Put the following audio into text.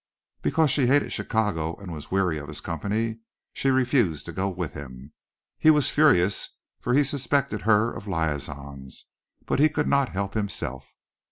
Because she hated Chicago and was weary of his company she refused to go with him. He was furious for he suspected her of liaisons, but he could not help himself.